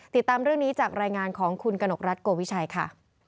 ติดตามเรื่องนี้จากรายงานของคุณกนกรัฐโกวิชัยค่ะ